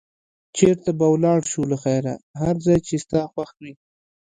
چېرته به ولاړ شو له خیره؟ هر ځای چې ستا خوښ وي.